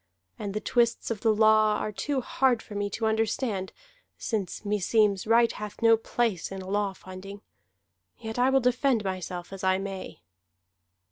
And the twists of the law are too hard for me to understand, since meseems right hath no place in a law finding. Yet I will defend myself as I may."